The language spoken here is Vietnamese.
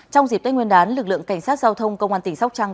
trong dịp tết nguyên đán lực lượng cảnh sát giao thông công an tỉnh sóc trăng